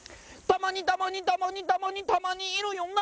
たまにたまにたまにたまにたまにいるよな